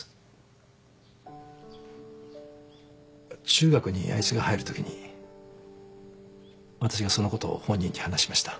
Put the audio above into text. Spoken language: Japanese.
中学にあいつが入るときに私がそのことを本人に話しました。